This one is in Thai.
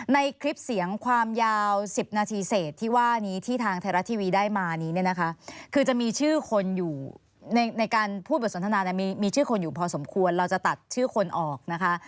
ในคลิปเสียงความยาว๑๐นาทีเศษที่ว่านี้ที่ทางไทยรัฐทีวีได้มานี้เนี่ยนะคะคือจะมีชื่อคนอยู่ในการพูดบทสนทนามีชื่อคนอยู่พอสมควรเราจะตัดชื่อคนออกนะคะ